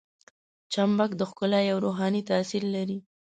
چمبک د ښکلا یو روحاني تاثیر لري.